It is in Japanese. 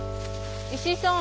石井さん。